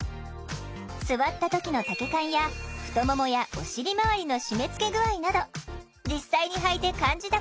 座った時の丈感や太ももやお尻回りの締めつけ具合など実際に履いて感じたことを紹介。